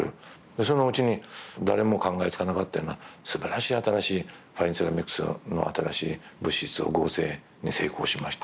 そのうちに誰も考えつかなかったようなすばらしい新しいファインセラミックスの新しい物質を合成に成功しました。